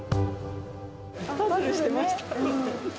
パズルしてました。